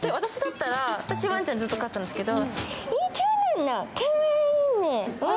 私だったら、私、ワンちゃんずっと飼ってたんですけど。